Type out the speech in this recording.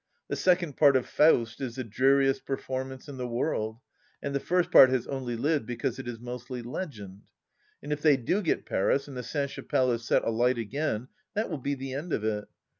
The second part of Faust is the dreariest performance in the world, and the first part has only lived because it is mostly legend 1 And if they do get Paris, and the Sainte Chapelle is set alight again, that will be the end of it.